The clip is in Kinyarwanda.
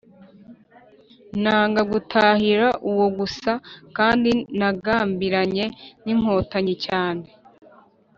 Nanga gutahira uwo gusa kandi nagambiranye n’inkotanyi cyane.